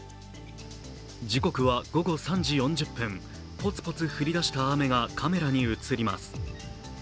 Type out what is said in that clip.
時刻は午後３時４０分、ポツポツ降り出した雨がカメラに映ります。